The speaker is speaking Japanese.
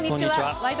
「ワイド！